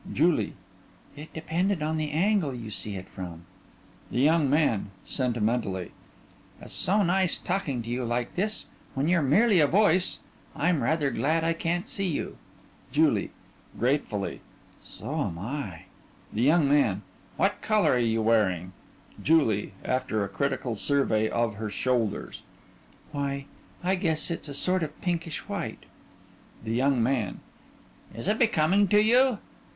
JULIE: It depend on the angle you see it from. THE YOUNG MAN: (Sentimentally) It's so nice talking to you like this when you're merely a voice. I'm rather glad I can't see you. JULIE; (Gratefully) So am I. THE YOUNG MAN: What color are you wearing? JULIE: (After a critical survey of her shoulders) Why, I guess it's a sort of pinkish white. THE YOUNG MAN: Is it becoming to you?